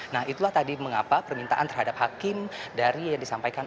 nah itulah tadi mengapa permintaan terhadap hakim dari yang disampaikan